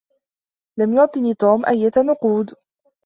لم يعطني توم أية نقود.